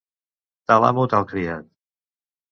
Tal amo, tal criat.